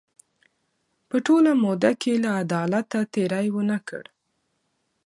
په ټوله موده کې له عدالته تېری ونه کړ.